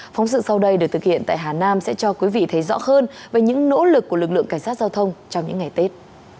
phóng sự sau đây được thực hiện tại hà nam sẽ cho quý vị thấy rõ hơn về những nỗ lực của lực lượng cảnh sát giao thông trong những ngày tết